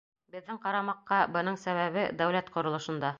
Беҙҙең ҡарамаҡҡа, бының сәбәбе дәүләт ҡоролошонда.